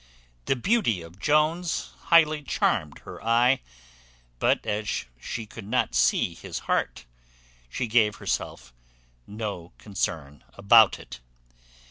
The beauty of Jones highly charmed her eye; but as she could not see his heart, she gave herself no concern about it.